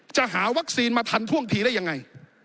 จะหาวัคซีนมาทันท่วงทีได้ยังไง